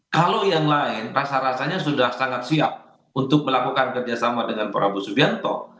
kalau yang lain rasa rasanya sudah sangat siap untuk melakukan kerjasama dengan prabowo subianto